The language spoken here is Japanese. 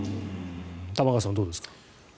玉川さん、どうですか？